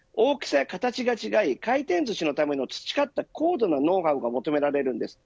大きさや形が違い回転ずしのための培った高度なノウハウが求められます。